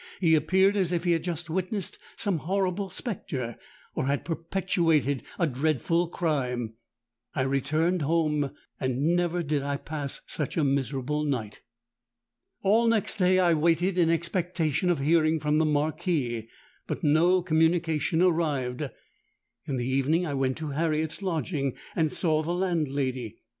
He appeared as if he had just witnessed some horrible spectre, or had perpetrated a dreadful crime. I returned home; and never did I pass such a miserable night. "All next day I waited in expectation of hearing from the Marquis; but no communication arrived. In the evening I went to Harriet's lodging, and saw the landlady.